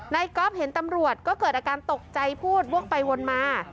ก๊อฟเห็นตำรวจก็เกิดอาการตกใจพูดวกไปวนมา